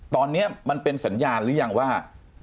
ตอนนี้มันเป็นสัญญาณหรือยังว่า